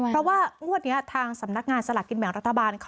เพราะว่างวดนี้ทางสำนักงานสลากกินแบ่งรัฐบาล